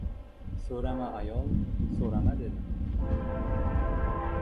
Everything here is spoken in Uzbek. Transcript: — So‘rama ayol, so‘rama, — dedim.